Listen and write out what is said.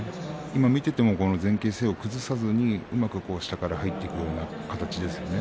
今、見ていても前傾姿勢を崩さずにうまく下から入っていくような形ですよね。